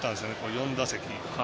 ４打席。